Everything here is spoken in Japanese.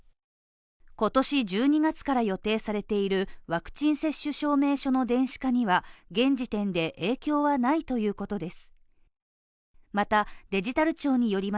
今年１２月から予定されているワクチン接種証明書の電子化には現時点で影響はないということです。